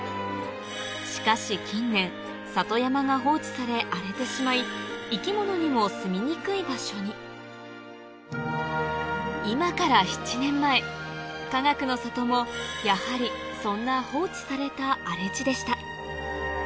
しかし近年里山が放置され荒れてしまい生き物にもすみにくい場所に今から７年前かがくの里もやはりそんな放置された荒れ地でした